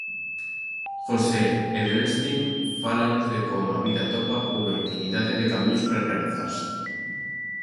José Edelstein fálanos de como a vida atopa unha infinidade de camiños para realizarse.